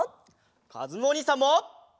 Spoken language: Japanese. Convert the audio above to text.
かずむおにいさんも！